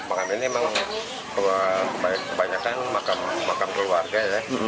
maka ini memang kebanyakan makam keluarga ya